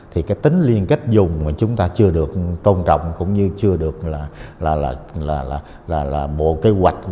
thì cái tính liên kết dùng mà chúng ta chưa được tôn trọng cũng như chưa được là bộ kế hoạch